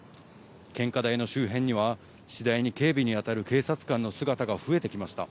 献花台の周辺には、次第に警備に当たる警察官の姿が増えてきました。